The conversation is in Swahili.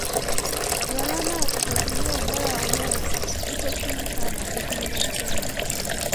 gharama ya kufuatilia ubora wa hewa iko chini sana ikilinganishwa na